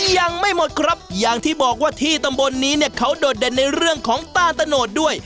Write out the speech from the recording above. ยังไม่หมดครับอย่างที่บอกว่าที่ตำบลนี้เนี่ยเขาโดดเด่นในเรื่องของต้านตะโนดด้วย